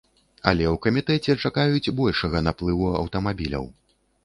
Але ў камітэце чакаюць большага наплыву аўтамабіляў.